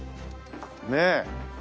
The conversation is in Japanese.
ねえ。